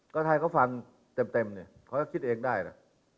ก็ถ้าเขาฟังเต็มเนี่ยเขาก็คิดเองได้นะ